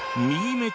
右目